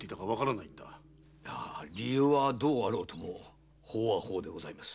理由はどうあろうとも法は法でございます。